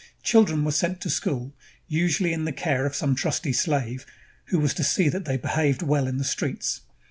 Children were sent to school, usually in the care of some trusty slave who was to see that they behaved well in the streets.